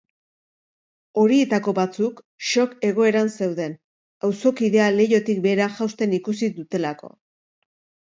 Horietako batzuk shock egoeran zeuden, auzokidea leihotik behera jausten ikusi dutelako.